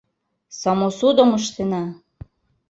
Самосудым ыштена!